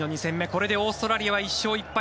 これでオーストラリアは１勝１敗